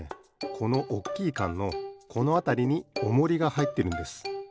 このおっきいカンのこのあたりにオモリがはいってるんです。